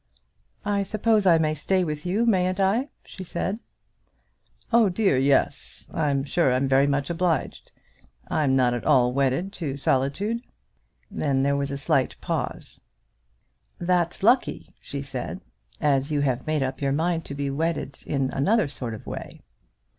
"I suppose I may stay with you, mayn't I?" she said. "Oh, dear, yes; I'm sure I'm very much obliged. I'm not at all wedded to solitude." Then there was a slight pause. "That's lucky," she said, "as you have made up your mind to be wedded in another sort of way."